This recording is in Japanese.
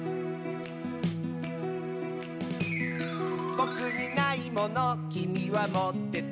「ぼくにないものきみはもってて」